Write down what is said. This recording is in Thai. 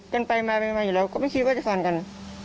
กันไปมาอยู่แล้วก็ไม่คิดว่าจะฟันกัน